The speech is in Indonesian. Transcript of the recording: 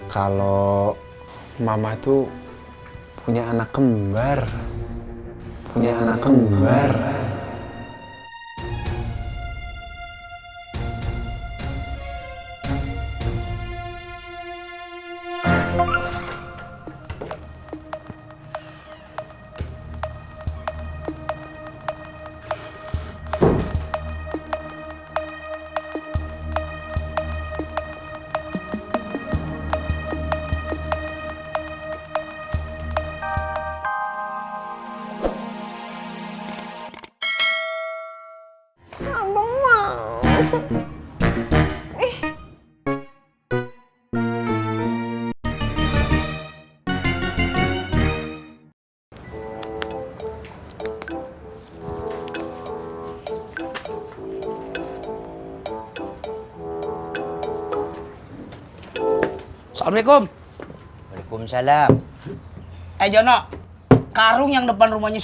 kalo mama tuh punya anak kembar